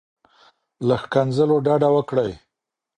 له ښکنځلو ډډه وکړئ.